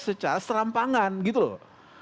secara serampangan gitu loh